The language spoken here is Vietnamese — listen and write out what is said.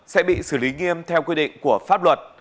sẽ bị xử lý nghiêm theo quy định của pháp luật